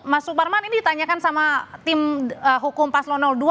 mas suparman ini ditanyakan sama tim hukum paslon dua